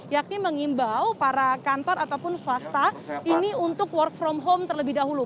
yakni mengimbau para kantor ataupun swasta ini untuk work from home terlebih dahulu